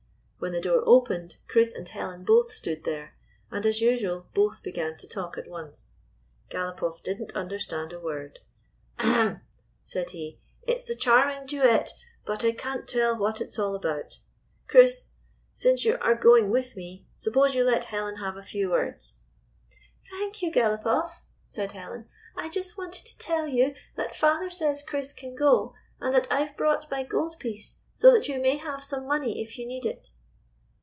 When the door opened, Chris and Helen both stood there, and, as usual, both began to talk at once. Galopoff did n't understand a word. "Ahem !" said he, " it 's a charming duet, but I can't tell what it is all about. Chris, since you are going with me, suppose you let Helen have a few words ?"" Thank you, Galopoff," said Helen. " I just wanted to tell you that father says Chris can go, and that I have brought my goldpiece, so that you may have some money if you need it."